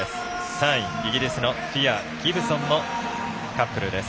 ３位、イギリスのフィアー、ギブソンのカップルです。